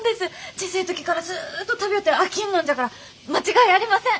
小せえ時からずっと食びょって飽きんのんじゃから間違いありません！